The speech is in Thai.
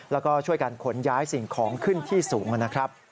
แล้วก็ช่วยกันขนย้ายสิ่งของขึ้นที่สูงนะครับ